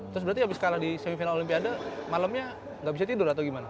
terus berarti abis kalah di semifinal olimpiade malamnya nggak bisa tidur atau gimana